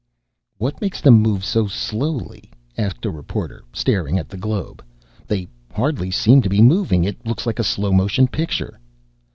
"What makes them move so slowly?" asked a reporter, staring at the globe. "They hardly seem to be moving. It looks like a slow motion picture."